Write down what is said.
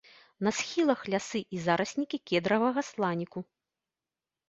На схілах лясы і зараснікі кедравага сланіку.